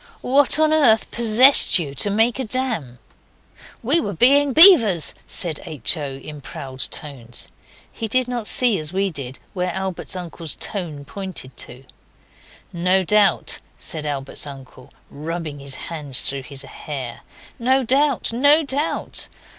What on earth possessed you to make a dam?' 'We were being beavers,' said H. O., in proud tones. He did not see as we did where Albert's uncle's tone pointed to. 'No doubt,' said Albert's uncle, rubbing his hands through his hair. 'No doubt! no doubt!